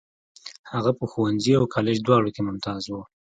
هغه په ښوونځي او کالج دواړو کې ممتاز و.